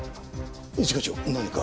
一課長何か？